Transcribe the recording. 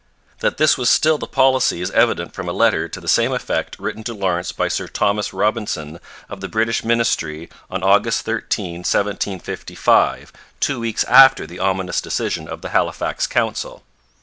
That this was still the policy is evident from a letter to the same effect written to Lawrence by Sir Thomas Robinson of the British ministry on August 13, 1755, two weeks after the ominous decision of the Halifax Council.